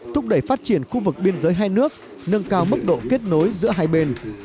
thúc đẩy phát triển khu vực biên giới hai nước nâng cao mức độ kết nối giữa hai bên